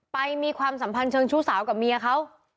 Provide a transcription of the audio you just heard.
มีความสัมพันธ์เชิงชู้สาวกับเมียเขา